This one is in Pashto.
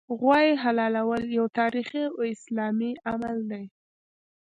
غوايي حلالول یو تاریخي او اسلامي عمل دی